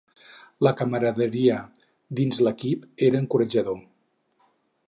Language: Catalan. La camaraderia dins l'equip era encoratjador.